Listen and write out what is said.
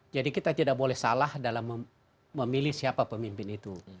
jadi kita tidak boleh salah dalam memilih siapa pemimpin itu